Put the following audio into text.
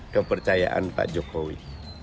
kepercayaan pak jokowi